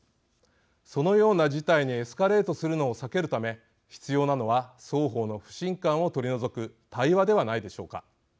そのような事態にエスカレートするのを避けるため必要なのは双方の不信感を取り除く対話ではないでしょうか。